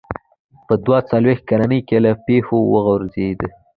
په دوه څلوېښت کلنۍ کې له پښو وغورځېد.